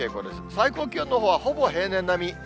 最高気温のほうはほぼ平年並み。